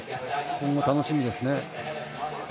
今後、楽しみですね。